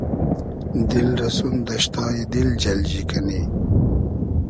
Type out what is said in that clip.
دیل رۂ سون دئشتای دیل جئلجی کئنی